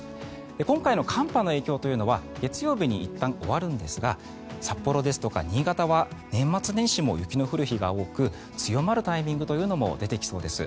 今回の寒波の影響というのは月曜日にいったん終わるんですが札幌ですとか新潟は年末年始も雪の降る日が多く強まるタイミングというのも出てきそうです。